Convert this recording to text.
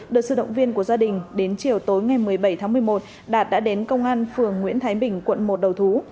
được sự động viên của gia đình đến chiều tối ngày một mươi bảy tháng một mươi một đạt đã đến công an phường nguyễn thái bình quận một đầu thú